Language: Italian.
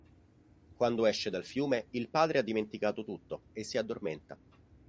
Quando esce dal fiume, il padre ha dimenticato tutto e si addormenta.